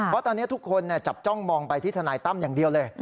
เพราะตอนนี้ทุกคนจับจ้องมองไปที่ทนายตั้มอย่างเดียวเลย